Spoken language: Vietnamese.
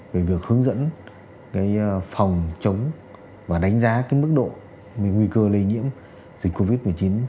về việc hướng dẫn phòng chống và đánh giá mức độ nguy cơ lây nhiễm dịch covid một mươi chín